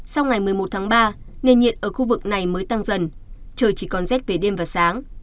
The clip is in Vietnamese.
sau ngày một mươi một tháng ba nền nhiệt ở khu vực này mới tăng dần trời chỉ còn rét về đêm và sáng